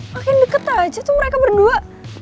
makin deket aja tuh mereka berdua